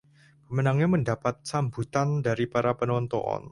Pemenangnya mendapat sambutan dari para penonton.